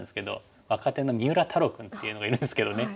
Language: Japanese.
若手の三浦太郎君っていうのがいるんですけどね。